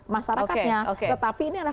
masyarakatnya tetapi ini adalah